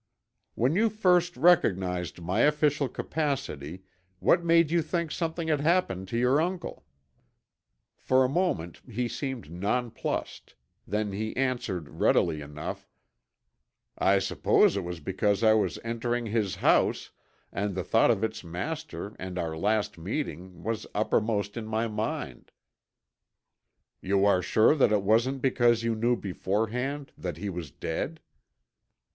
"When you first recognized my official capacity what made you think something had happened to your uncle?" For a moment he seemed nonplussed, then he answered readily enough, "I suppose it was because I was entering his house and the thought of its master and our last meeting was uppermost in my mind." "You are sure that it wasn't because you knew beforehand that he was dead?"